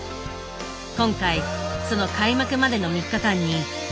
今回その開幕までの３日間に密着した。